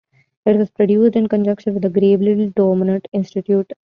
It was produced in conjunction with the Gabriel Dumont Institute.